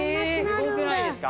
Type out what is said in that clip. すごくないですか？